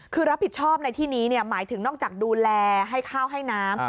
คือรับผิดชอบในที่นี้หมายถึงนอกจากดูแลให้ข้าวให้น้ำ